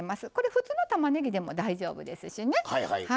普通のたまねぎでも大丈夫ですし。